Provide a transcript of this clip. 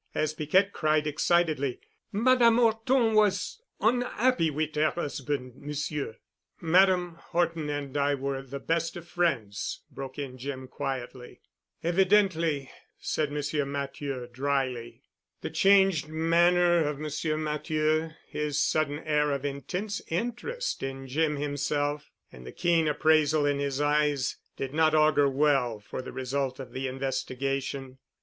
As Piquette cried excitedly, "Madame 'Orton was on'appy wit' 'er 'usband, Monsieur——" "Madame Horton and I were the best of friends——" broke in Jim quietly. "Evidently," said M. Matthieu dryly. The changed manner of Monsieur Matthieu, his sudden air of intense interest in Jim himself, and the keen appraisal in his eyes did not augur well for the result of the investigation.